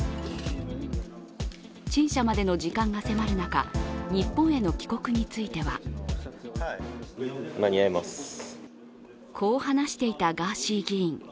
陳謝までの時間が迫る中日本への帰国についてはこう話していたガーシー議員。